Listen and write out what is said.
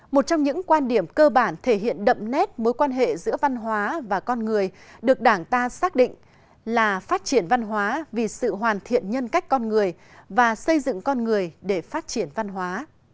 một trong những quan điểm cơ bản thể hiện đậm nét mối quan hệ giữa văn hóa và con người được đảng ta xác định là phát triển văn hóa vì sự hoàn thiện nhân cách con người và xây dựng con người để phát triển văn hóa